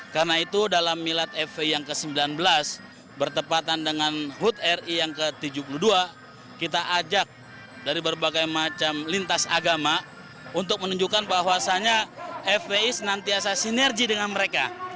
karena itu dalam milad fpi yang ke sembilan belas bertepatan dengan hut ri yang ke tujuh puluh dua kita ajak dari berbagai macam lintas agama untuk menunjukkan bahwasannya fpi senantiasa sinergi dengan mereka